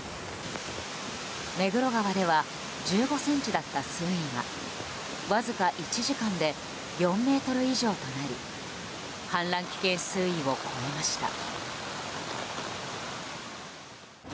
目黒川では１５ｃｍだった水位がわずか１時間で４ｍ以上となり氾濫危険水位を越えました。